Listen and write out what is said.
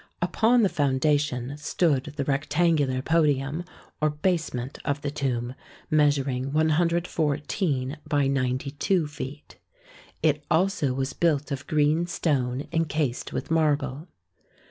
Upon the foundation stood the rectangular podium or basement of the tomb, measuring 114 by 92 feet. It also was built of green stone en cased with marble.